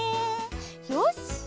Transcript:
よし！